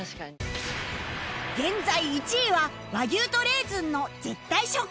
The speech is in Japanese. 現在１位は和牛とレーズンの絶対食感ハンバーグ